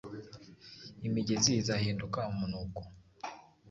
imigezi izahinduka umunuko,